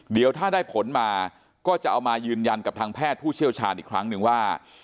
เดี๋ยวถ้าได้ผลมาก็จะเอามายืนยันกับทางแพทย์ผู้เชี่ยวชาญอีกครั้งหนึ่งว่า